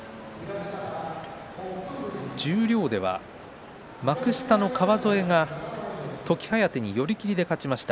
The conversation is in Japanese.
十両では幕下の川副が時疾風に寄り切りで勝ちました。